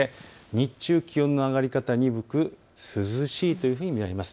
日中、気温の上がり方が鈍く涼しいと見られます。